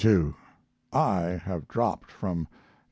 2; I have dropped from No.